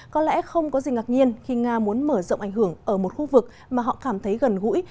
có lẽ không có gì ngạc nhiên khi nga muốn mở rộng ảnh hưởng ở một khu vực mà họ cảm thấy gần gũi